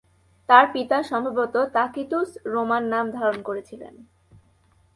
তার পিতা সম্ভবত "তাকিতুস" রোমান নাম ধারণ করেছিলেন।